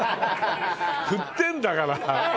振ってるんだから。